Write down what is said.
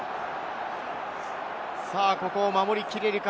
ここを守り切れるか？